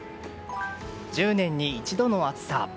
１０年に一度の暑さ。